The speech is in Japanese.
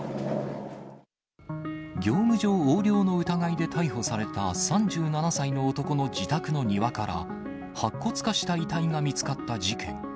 業務上横領の疑いで逮捕された３７歳の男の自宅の庭から、白骨化した遺体が見つかった事件。